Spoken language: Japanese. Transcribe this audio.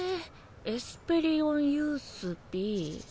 エスペリオンユースＢ？